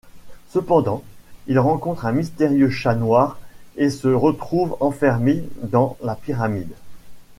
Cependant, il rencontre un mystérieux chat noir et se retrouve enfermé dans la pyramide.